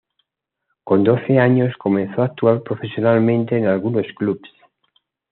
Con doce años comenzó a actuar profesionalmente en algunos clubes.